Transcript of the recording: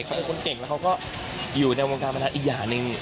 เขาเป็นคนเก่งมันอยู่ในวงการมนัดอีกอย่างหนึ่ง